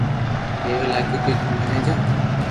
ڪيوا لاگيو ڪي تو متي جا